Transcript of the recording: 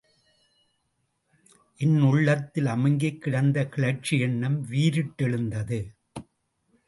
என் உள்ளத்தில் அமுங்கிக் கிடந்த கிளர்ச்சி எண்ணம் வீரிட்டெழுந்தது.